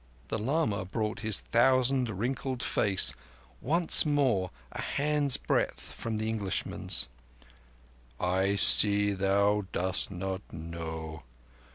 The lama brought his thousand wrinkled face once more a handsbreadth from the Englishman's. "I see thou dost not know.